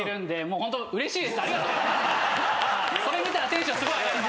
それ見たらテンションすごい上がります。